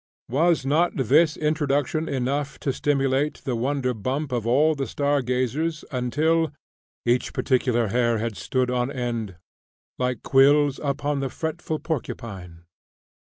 Was not this introduction enough to stimulate the wonder bump of all the star gazers, until "Each particular hair did stand on end, Like quills upon the fretful porcupine?"